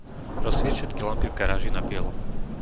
Rozsvieť všetky lampy v garáži na bielo.